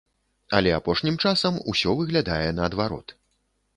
Але апошнім часам усё выглядае наадварот.